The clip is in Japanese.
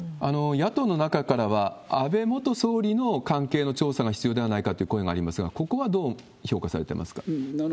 野党の中からは、安倍元総理の関係の調査が必要ではないかという声がありますが、ここはどう評価されてますか？